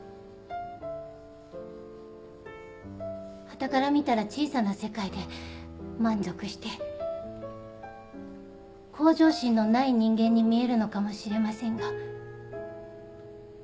・はたから見たら小さな世界で満足して向上心のない人間に見えるのかもしれませんが。